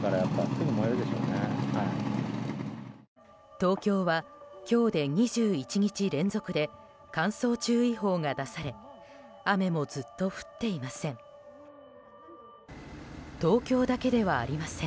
東京は今日で２１日連続で乾燥注意報が出され雨もずっと降っていません。